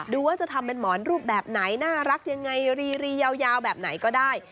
ดูว่าจะทำเป็นหมอนรูปแบบไหนน่ารักยังไงรียาวแบบไหนก็ได้